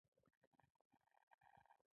ازادي راډیو د کلتور په اړه د ننګونو یادونه کړې.